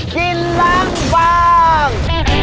กินล้างบาง